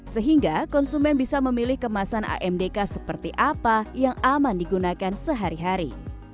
sehingga konsumen bisa memilih kemasan amdk seperti apa yang aman digunakan sehari hari